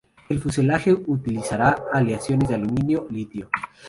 El fuselaje utilizará aleaciones de aluminio-litio.